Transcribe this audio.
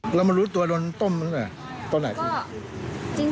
เรามารู้ตัวโดนต้มมันไงตอนไหน